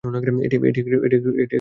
এটি একটি স্বপ্ন মাত্র।